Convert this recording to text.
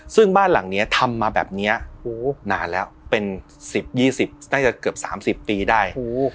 ซึ่งบ้านหลังนี้ทำมาแบบนี้นานแล้วเป็น๑๐๒๐น่าจะเกือบ๓๐ปีได้